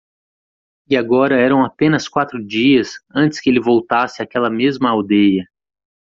E agora eram apenas quatro dias antes que ele voltasse àquela mesma aldeia.